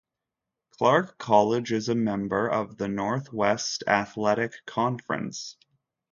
Clark College is a member of the Northwest Athletic Conference.